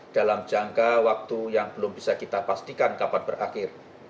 dalam jangka waktu yang belum bisa kita pastikan kapan berakhir